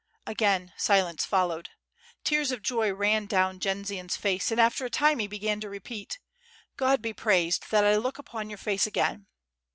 Again silence followed. Tears of joy ran down Jendzian's face, and after a time he began to repeat: "God be praised that I look upon your face again."